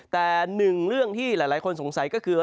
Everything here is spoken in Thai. แต่หนึ่งเรื่องที่หลายคนสงสัยก็คือ